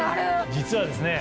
実はですね